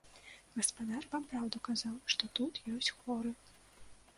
Гаспадар вам праўду казаў, што тут ёсць хворы!